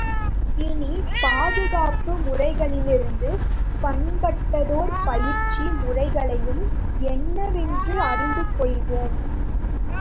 இனி, பாதுகாப்பு முறைகளிலிருந்து பண்பட்டதோர் பயிற்சி முறைகளையும் என்னவென்று அறிந்து கொள்வோம்.